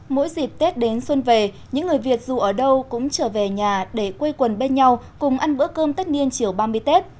mỗi dịp tết đến xuân về những người việt dù ở đâu cũng trở về nhà để quây quần bên nhau cùng ăn bữa cơm tất niên chiều ba mươi tết